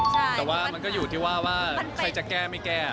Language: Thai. แต่ว่ามันก็อยู่ที่ว่าใครจะแก้ไม่แก้